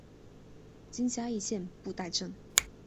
今嘉义县布袋镇。